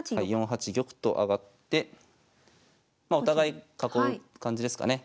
４八玉と上がってまあお互い囲う感じですかね。